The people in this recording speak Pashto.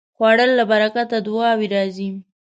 خوړل له برکته دعاوې راځي